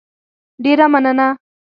ډېره مننه